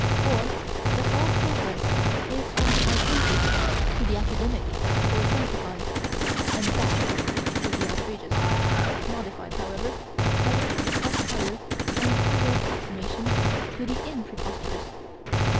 Or that all progress is from the outrageous to the academic or sanctified, and back to the outrageous modified, however, by a trend of higher and higher approximation to the impreposterous.